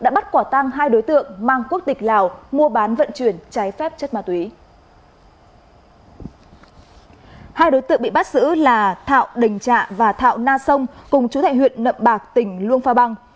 bắt giữ là thạo đình trạ và thạo na sông cùng chủ thại huyện nậm bạc tỉnh luông pha băng